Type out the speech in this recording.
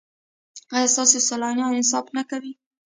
ایا ستاسو سیالان انصاف نه کوي؟